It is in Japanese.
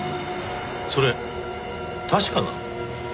それ確かなの？